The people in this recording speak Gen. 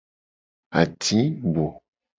Adigbo.